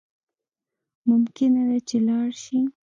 ممکنه ده چی لاړ شی